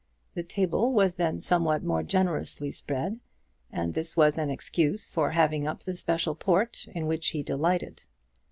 The table was then somewhat more generously spread, and this was an excuse for having up the special port in which he delighted.